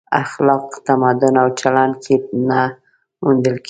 اخلاق تمدن او چلن کې نه موندل کېږي.